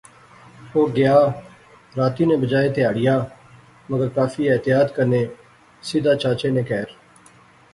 او گیا، راتی نے بجائے تہاڑیا، مگر کافی احتیاط کنے, سیدھا چاچے نے کہھر